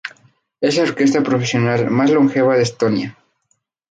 Es la orquesta profesional más longeva de Estonia.